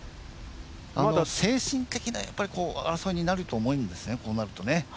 あとは精神的な争いになると思うんですね、こうなるとね。